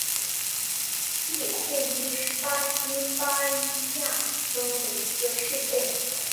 伊比库伊是巴西巴伊亚州的一个市镇。